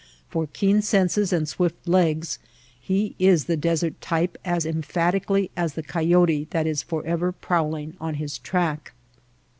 For keen senses and swift legs he is the desert type as emphatically as the coyote that is forever prowling on his track.